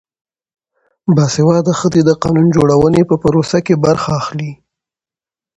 باسواده ښځې د قانون جوړونې په پروسه کې برخه اخلي.